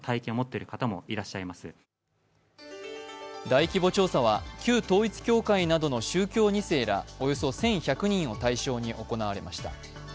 大規模調査は旧統一教会などの宗教２世ら、およそ１１００人を対象に行われました。